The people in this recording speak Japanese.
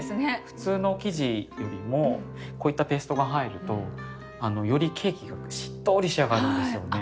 普通の生地よりもこういったペーストが入るとよりケーキがしっとり仕上がるんですよね。